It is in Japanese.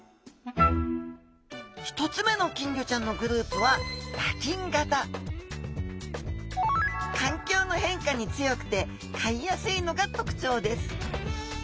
１つ目の金魚ちゃんのグループは環境の変化に強くて飼いやすいのが特徴です